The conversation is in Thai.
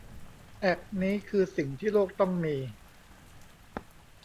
แอคนี้คือสิ่งที่โลกต้องมี